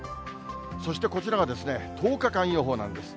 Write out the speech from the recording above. そしてこちらが１０日間予報なんです。